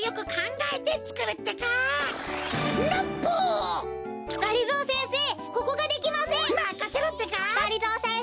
がりぞーせんせい！